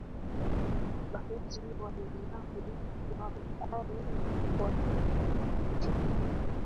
Balozi wa hiari wa Utalii wa Tanzania nchini